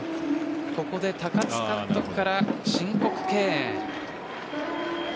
ここで高津監督から申告敬遠。